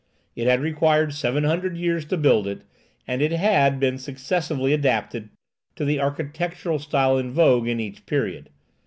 It had required seven hundred years to build it, and it had, been successively adapted to the architectural style in vogue in each period.